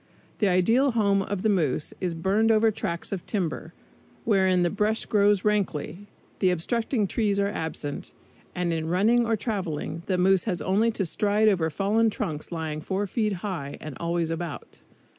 The ideal home of the moose is burned over tracts of timber, wherein the brush grows rankly, the obstructing trees are absent, and in running or traveling the moose has only to stride over fallen trunks lying four feet high, and always about.